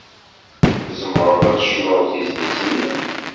Tzemreḍ ad d-tecnuḍ tizlit-nni?